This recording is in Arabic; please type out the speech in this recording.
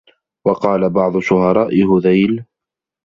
وَقَالَ بَعْضُ شُعَرَاءِ هُذَيْلٍ